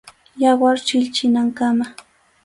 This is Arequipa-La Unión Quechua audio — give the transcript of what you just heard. Yawar chilchinankama.